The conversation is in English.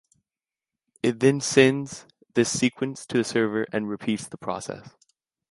It then sends this sequence to the server, and repeats the process.